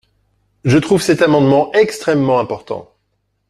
Je trouve cet amendement extrêmement important.